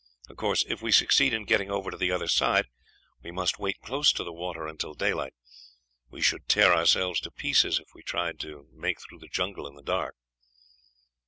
Of course, if we succeed in getting over to the other side, we must wait close to the water until daylight. We should tear ourselves to pieces if we tried to make through the jungle in the dark."